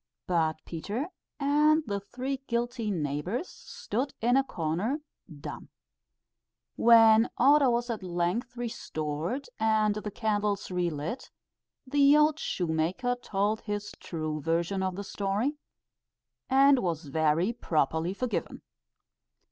But Peter and the three guilty neighbours stood in a corner dumb. When order was at length restored, and the candles re lit, the old shoemaker told his true version of the story, and was very properly forgiven.